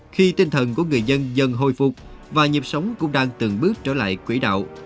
khi tinh thần của người dân dần hồi phục và nhịp sống cũng đang từng bước trở lại quỹ đạo